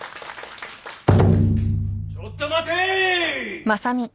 ・・ちょっと待てい！